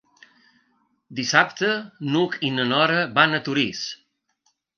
Dissabte n'Hug i na Nora van a Torís.